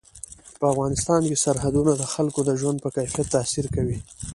په افغانستان کې سرحدونه د خلکو د ژوند په کیفیت تاثیر کوي.